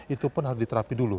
itu pun harus diterapi dulu